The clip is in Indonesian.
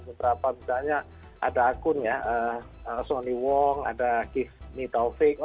misalnya ada akun ya sony wong ada give me taufik